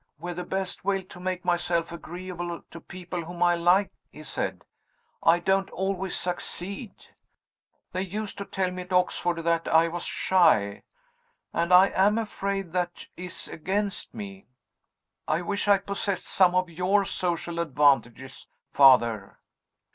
"With the best will to make myself agreeable to people whom I like," he said, "I don't always succeed. They used to tell me at Oxford that I was shy and I am afraid that is against me. I wish I possessed some of your social advantages, Father!"